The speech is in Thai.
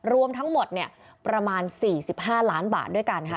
รวมทั้งหมดประมาณ๔๕ล้านบาทด้วยกันค่ะ